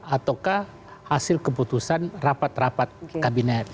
ataukah hasil keputusan rapat rapat kabinet